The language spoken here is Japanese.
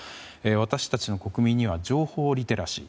私たちの国民には情報リテラシー